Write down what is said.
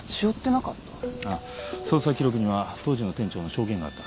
ああ捜査記録には当時の店長の証言があった